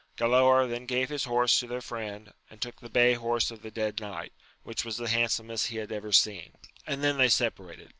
Galaor then gave his horse to their friend, and took the bay horse of the dead knight, which was the handsomest he had ever seen, and then they separated.